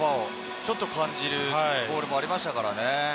ちょっと感じるボールもありましたからね。